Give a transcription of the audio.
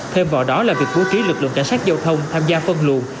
thêm vào đó là việc vũ trí lực lượng cảnh sát giao thông tham gia phân luồng